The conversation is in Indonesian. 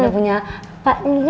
punya pak ndi